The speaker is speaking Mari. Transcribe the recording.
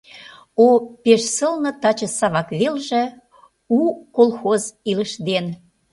О, пеш сылне таче Савак велже у колхоз илыш дене!